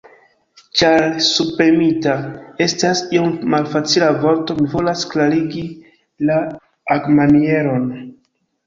Ĉar 'subpremita' estas iom malfacila vorto, mi volas klarigi la agmanieron.